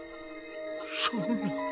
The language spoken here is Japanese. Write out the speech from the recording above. そんな。